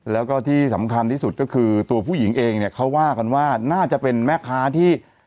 แล้วก็ที่สำคัญที่สุดก็คือตัวผู้หญิงเองเนี่ยเขาว่ากันว่าน่าจะเป็นแม่ค้าที่